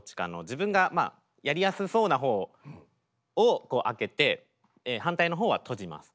自分がやりやすそうなほうを開けて反対のほうは閉じます。